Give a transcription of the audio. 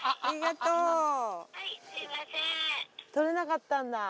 とれなかったんだ。